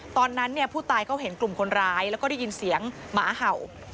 ตอนนั้นผู้ตายเขาเห็นกลุ่มคนร้ายแล้วก็ได้ยินเสียงหมาเห่า